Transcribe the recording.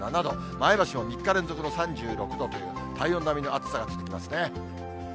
前橋も３日連続の３６度という、体温並みの暑さが続きますね。